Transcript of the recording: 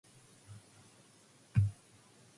One month later, Goodis was dead.